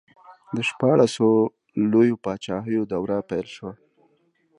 د شپاړسو لویو پاچاهیو دوره پیل شوه.